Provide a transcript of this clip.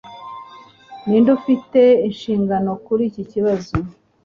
Ninde ufite inshingano kuri iki kibazo